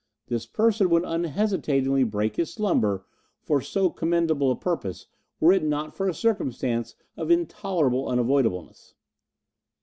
This person would unhesitatingly break his slumber for so commendable a purpose were it not for a circumstance of intolerable unavoidableness.